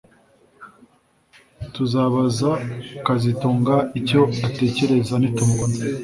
Tuzabaza kazitunga icyo atekereza nitumubona